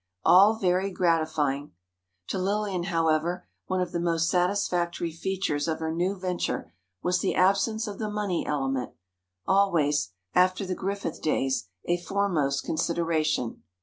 All very gratifying: To Lillian, however, one of the most satisfactory features of her new venture was the absence of the money element—always, after the Griffith days, a foremost consideration.